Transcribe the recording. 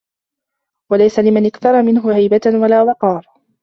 وَلَيْسَ لِمَنْ أَكْثَرَ مِنْهُ هَيْبَةٌ وَلَا وَقَارٌ